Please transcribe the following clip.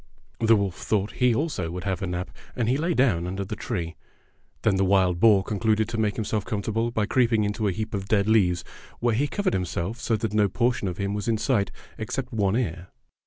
The wolf thought he also would have a nap, and he lay down under the tree. Then the wild boar concluded to make himself comfortable by creeping into a heap of dead leaves, where he covered himself so that no portion of him was in sight except one ear.